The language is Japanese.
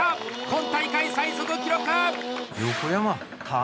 今大会、最速記録！